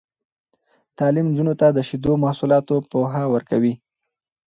تعلیم نجونو ته د شیدو محصولاتو پوهه ورکوي.